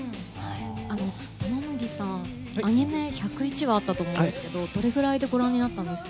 玉森さん、アニメ１０１話あったと思うんですけどどれぐらいでご覧になったんですか？